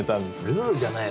ルールじゃないよ。